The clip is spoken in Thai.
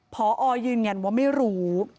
พอยืนยันว่าไม่รู้